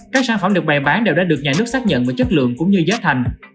các sản phẩm được bày bán đều đã được nhà nước xác nhận về chất lượng cũng như giá thành